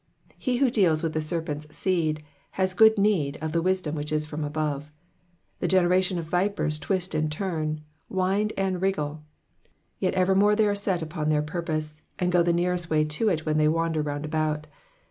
He who deals with the serpent's seed has good need of the wisdom which is from above : the generation of vipers twist and turn, wind and wiiggle, yet evermore they are set upon their purpose, and go the nearest way to it when they wander round about.